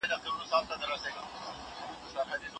د ټولني د هوساینې لپاره همکاري اړینه ده.